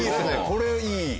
これいい。